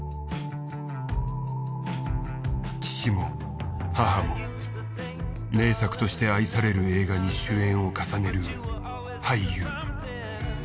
父も母も名作として愛される映画に主演を重ねる俳優。